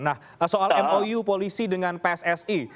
nah soal mou polisi dengan pssi